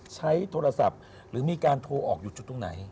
ใช้โทรศัพท์หรือมีการโทรออกอยู่จุดตรงไหน